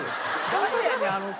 誰やねんあの子。